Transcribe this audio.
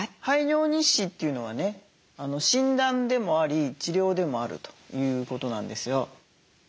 排尿日誌というのはね診断でもあり治療でもあるということなんですよ。